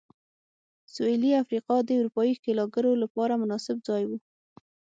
سوېلي افریقا د اروپايي ښکېلاکګرو لپاره مناسب ځای و.